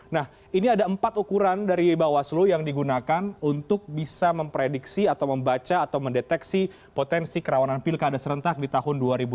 nah ini ada empat ukuran dari bawaslu yang digunakan untuk bisa memprediksi atau membaca atau mendeteksi potensi kerawanan pilkada serentak di tahun dua ribu dua puluh